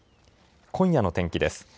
今夜の天気です。